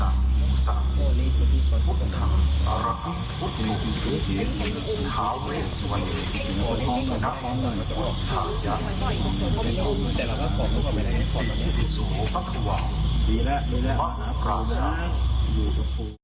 นะครับ